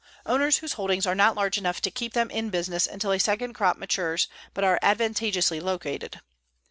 Owners whose holdings are not large enough to keep them in business until a second crop matures but are advantageously located.